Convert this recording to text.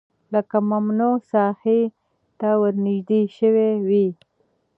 لکه ممنوعه ساحې ته ورنژدې شوی وي